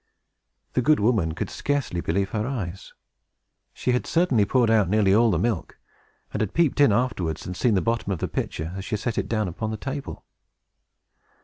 The good woman could scarcely believe her eyes. She had certainly poured out nearly all the milk, and had peeped in afterwards, and seen the bottom of the pitcher, as she set it down upon the table.